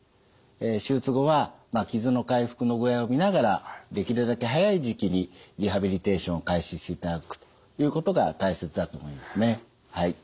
手術後は傷の回復の具合を見ながらできるだけ早い時期にリハビリテーションを開始していただくということが大切だと思いますね。